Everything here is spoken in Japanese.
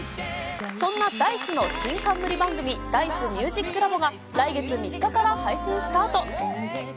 そんなダイスの新冠番組、ダイスミュージックラボが、来月３日から配信スタート。